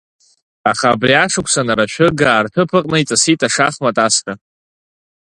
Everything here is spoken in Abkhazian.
Аха абри ашықәсан арашәыгаа рҭыԥ аҟны иҵысит ашахмат асра.